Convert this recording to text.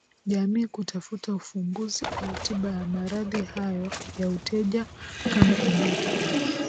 jamii kutafuta ufumbuzi au tiba ya maradhi hayo ya uteja kama ilivyo